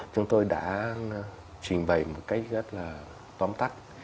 chúng tôi đã trình bày một cách rất là tóm tắt